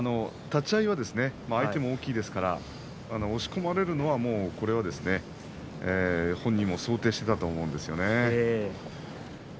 立ち合いは相手も大きいですから押し込まれるのは、もうこれは本人も想定していたと思うんですよね。